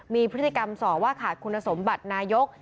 มีพฤติกรรมส่อว่าขาดคุณสมบัตินายก